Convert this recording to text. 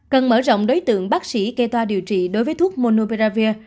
cần mở rộng đối tượng bác sĩ kê toa điều trị đối với thuốc monoberravir